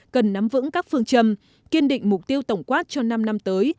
cần nắm vững các phương châm kiên định mục tiêu tổng quát cho năm năm tới